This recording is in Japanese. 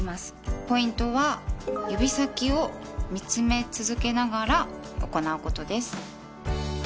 ポイントは指先を見つめ続けながら行うことです。